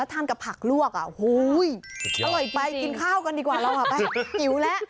แล้วทานกับผักลวกโอ้ยอร่อยไปกินข้าวกันดีกว่าเราอิ๋วแล้ว